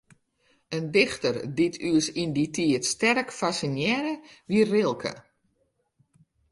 In dichter dy't ús yn dy tiid sterk fassinearre, wie Rilke.